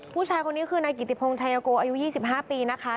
ผู้ชายคนนี้คือนายกิติพงชายโกอายุ๒๕ปีนะคะ